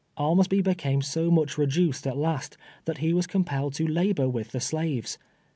Armsby became so much reduced at last, that he was compelled to labor with the slaves.